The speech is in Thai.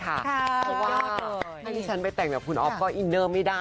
เพราะว่าถ้าที่ฉันไปแต่งกับคุณอ๊อฟก็อินเนอร์ไม่ได้